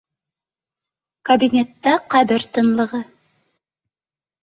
— Кабинетта ҡәбер тынлығы